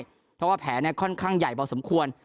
เพราะว่าแผลค่อนข้างใหญ่พอสมควร